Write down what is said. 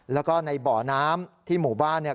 แล้วก็ในบ่อน้ำที่หมู่บ้านเนี่ย